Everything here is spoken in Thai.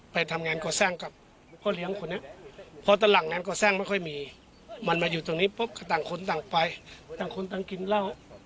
ไปทำงานก่อสร้างกับพ่อเลี้ยงคนนี้พอตหลังงานก่อสร้างไม่ค่อยมีมันมาอยู่ตรงนี้ปุ๊บก็ต่างคนต่างไปต่างคนต่างกินเหล้า